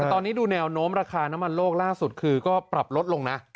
แต่ตอนนี้ดูแนวโน้มราคาน้ำมันโลกล่าสุดคือก็ปรับลดลงนะ